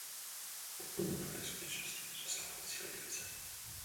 Tento útvar ve skutečnosti nedosahoval síly divize.